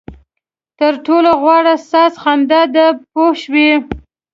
تر ټولو غوره ساز خندا ده پوه شوې!.